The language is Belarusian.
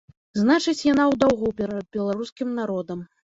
Значыць, яна ў даўгу перад беларускім народам.